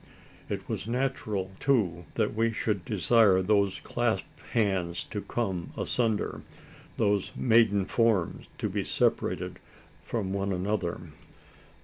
It was natural, too, we should desire those clasped hands to come asunder those maiden forms to be separated from one another?